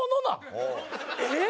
えっ？